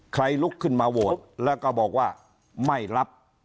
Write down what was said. ลุกขึ้นมาโหวตแล้วก็บอกว่าไม่รับ